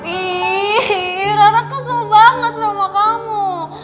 iiiih ra ra kesel banget sama kamu